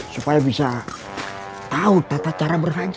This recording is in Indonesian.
supaya bisa tahu tata cara bermain